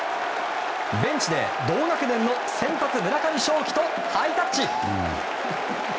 ベンチで同学年の村上頌樹とハイタッチ。